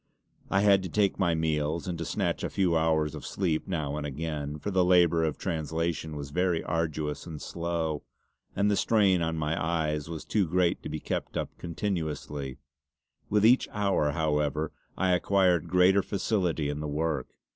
I had to take my meals, and to snatch a few hours of sleep now and again; for the labour of translation was very arduous and slow, and the strain on my eyes was too great to be kept up continuously; with each hour, however, I acquired greater facility in the work.